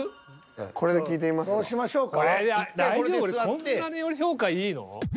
こんなに俺評価いいの？